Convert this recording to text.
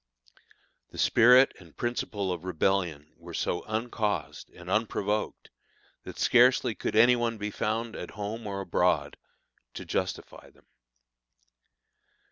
The spirit and principle of Rebellion were so uncaused and unprovoked, that scarcely could any one be found at home or abroad to justify them.